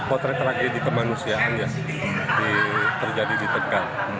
potret tragedi kemanusiaan yang terjadi di tegal